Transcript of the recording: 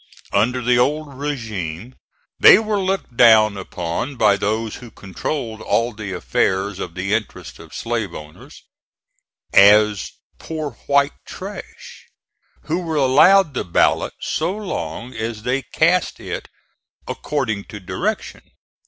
Under the old regime they were looked down upon by those who controlled all the affairs in the interest of slave owners, as poor white trash who were allowed the ballot so long as they cast it according to direction.